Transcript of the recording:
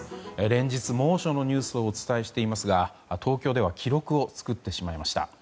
連日、猛暑のニュースをお伝えしていますが東京では記録を作ってしまいました。